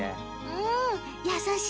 うん。